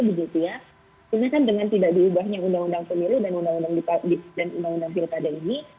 sebenarnya kan dengan tidak diubahnya undang undang pemilu dan undang undang pilkada ini